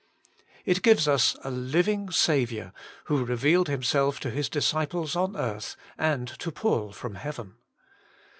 It gives us a living Saviour, who revealed Himself to His disciples on earth, and to Paul from heaven.